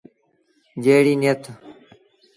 جيڙيٚ نيٿ ۔